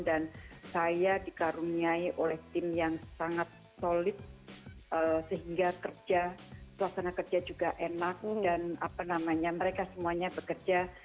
dan saya dikaruniai oleh tim yang sangat solid sehingga kerja suasana kerja juga enak dan apa namanya mereka semuanya bekerja